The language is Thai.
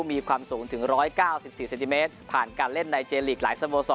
มีความสูงถึงร้อยเก้าสิบสิบเซติเมตรผ่านการเล่นในเจนลีกหลายสโมสอ